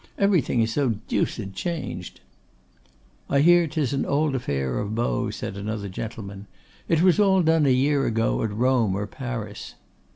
Everything is so deuced changed.' 'I hear 'tis an old affair of Beau,' said another gentleman. 'It was all done a year ago at Rome or Paris.